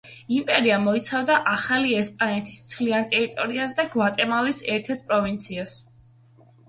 იმპერია მოიცავდა ახალი ესპანეთის მთლიან ტერიტორიას და გვატემალის ერთ-ერთ პროვინციას.